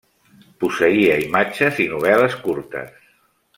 Posseïa imatges i novel·les curtes.